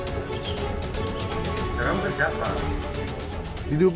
jarak yang ditempuh sekitar dua belas km